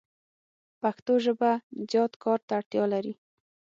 پښتو ژبه زیات کار ته اړتیا لری